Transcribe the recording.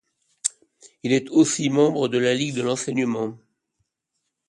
Il est aussi membre de la Ligue de l'enseignement.